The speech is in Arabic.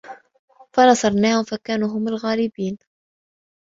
وَنَصَرناهُم فَكانوا هُمُ الغالِبينَ